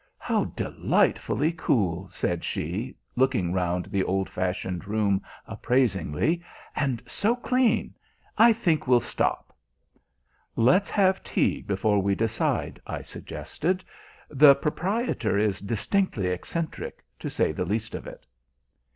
"How delightfully cool," said she, looking round the old fashioned room appraisingly, "and so clean! I think we'll stop." "Let's have tea before we decide," I suggested. "The proprietor is distinctly eccentric, to say the least of it."